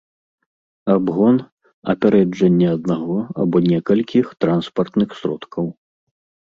абгон — апярэджанне аднаго або некалькіх транспартных сродкаў